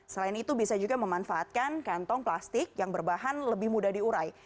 selain itu bisa juga memanfaatkan kantong plastik yang berbahan lebih mudah diurai